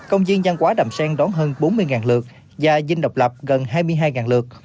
công viên văn hóa đàm sen đón hơn bốn mươi lượt và vinh độc lập gần hai mươi hai lượt